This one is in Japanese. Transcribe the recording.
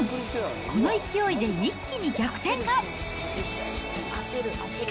この勢いで一気に逆転か。